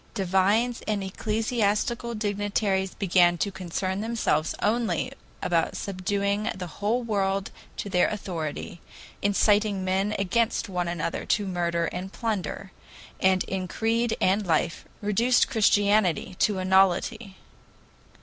Divines and ecclesiastical dignitaries began to concern themselves only about subduing the whole world to their authority, incited men against one another to murder and plunder, and in creed and life reduced Christianity to a nullity.